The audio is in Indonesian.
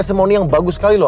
jadi kita lihat dulu paulo